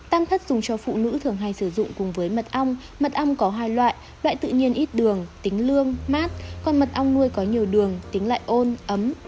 tăng thất dùng cho phụ nữ thường hay sử dụng cùng với mật ong mật ong có hai loại loại tự nhiên ít đường tính lương mát còn mật ong nuôi có nhiều đường tính lại ôn ấm